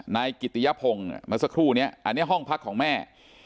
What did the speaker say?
นายกิติยพงศ์เมื่อสักครู่นี้อันนี้ห้องพักของแม่